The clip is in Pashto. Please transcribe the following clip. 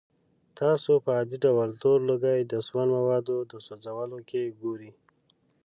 تاسې په عادي ډول تور لوګی د سون موادو د سوځولو کې ګورئ.